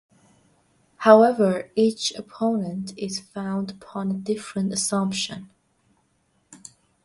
However, each approach is founded upon a different assumption.